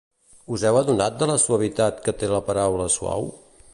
Us heu adonat de la suavitat que té la paraula "suau"?